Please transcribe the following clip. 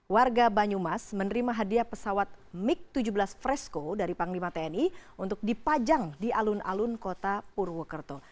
warga banyumas menerima hadiah pesawat mig tujuh belas fresco dari panglima tni untuk dipajang di alun alun kota purwokerto